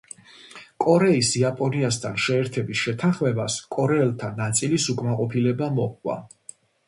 კორეის იაპონიასთან შეერთების შეთანხმებას კორეელთა ნაწილის უკმაყოფილება მოჰყვა.